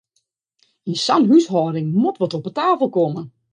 Yn sa'n húshâlding moat wat op 'e tafel komme!